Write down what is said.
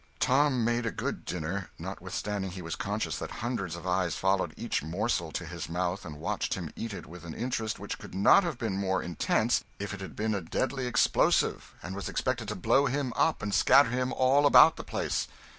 Tom made a good dinner, notwithstanding he was conscious that hundreds of eyes followed each morsel to his mouth and watched him eat it with an interest which could not have been more intense if it had been a deadly explosive and was expected to blow him up and scatter him all about the place.